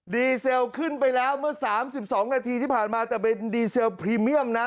เซลขึ้นไปแล้วเมื่อ๓๒นาทีที่ผ่านมาแต่เป็นดีเซลพรีเมียมนะ